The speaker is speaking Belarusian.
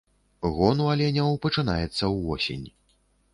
Гон у аленяў пачынаецца ўвосень.